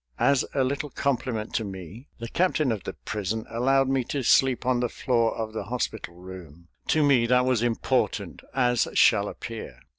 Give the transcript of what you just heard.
As a little compliment to me the captain of the prison allowed me to sleep on the floor of the hospital room. To me that was important, as shall appear.